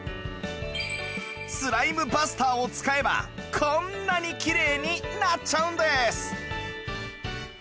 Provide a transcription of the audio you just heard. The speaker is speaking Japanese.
スライムバスターを使えばこんなにきれいになっちゃうんです！